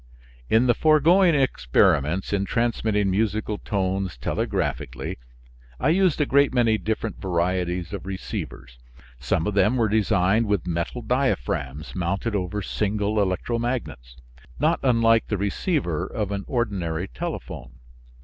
In the foregoing experiments in transmitting musical tones telegraphically, I used a great many different varieties of receivers. Some of them were designed with metal diaphragms mounted over single electromagnets, not unlike the receiver of an ordinary telephone.